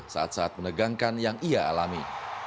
saat saat menegangkan yang ia alami